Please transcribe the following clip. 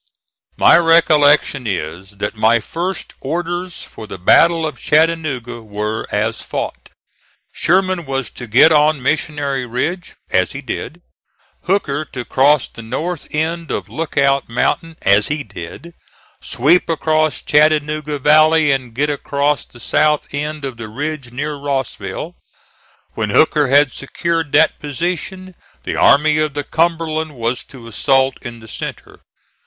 My recollection is that my first orders for the battle of Chattanooga were as fought. Sherman was to get on Missionary Ridge, as he did; Hooker to cross the north end of Lookout Mountain, as he did, sweep across Chattanooga Valley and get across the south end of the ridge near Rossville. When Hooker had secured that position the Army of the Cumberland was to assault in the centre.